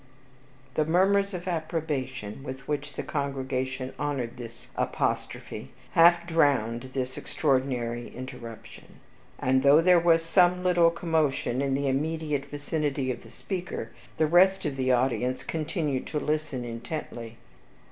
The murmurs of approbation with which the congregation honored this apostrophe half drowned this extraordinary interruption; and though there was some little commotion in the immediate vicinity of the speaker, the rest of the audience continued to listen intently.